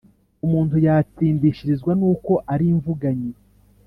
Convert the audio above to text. umuntu yatsindishirizwa n’uko ari imvuganyi’